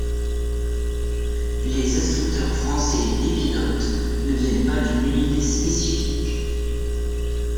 Les instructeurs français d'Épidote ne viennent pas d'une unité spécifique.